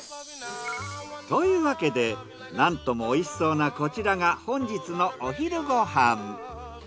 というわけでなんとも美味しそうなこちらが本日のお昼ご飯。